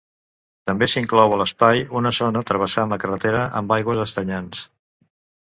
També s'inclou a l'espai una zona, travessant la carretera, amb aigües estagnants.